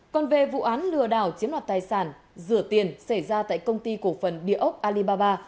còn về vụ án lừa đảo chiếm đoạt tài sản rửa tiền xảy ra tại công ty cổ phần địa ốc alibaba